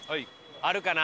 あるかな？